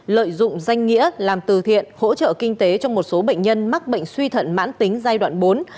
lợi dụng danh nghĩa làm từ thiện hỗ trợ kinh tế cho một số bệnh nhân mắc bệnh suy thận mãn tính giai đoạn bốn